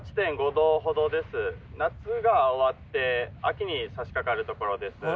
夏が終わって秋に差し掛かるところです。